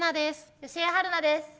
吉江晴菜です。